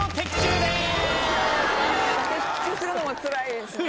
何か的中するのもつらいですね。